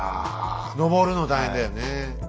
登るの大変だよね。